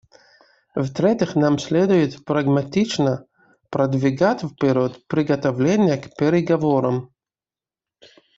В-третьих, нам следует прагматично продвигать вперед приготовления к переговорам.